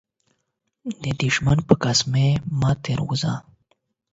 د دښمن په قسمو مه تير وزه.